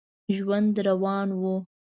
ژوند روان و.